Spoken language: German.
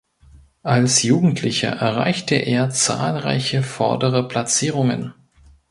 Als Jugendlicher erreichte er zahlreiche vordere Platzierungen.